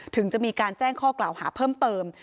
ถึงจะมีการแจ้งข้อกล่าวหาเพิ่มเติม